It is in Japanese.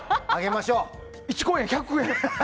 １公演１００円？